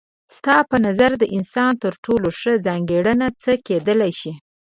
ستا په نظر د انسان تر ټولو ښه ځانګړنه څه کيدای شي؟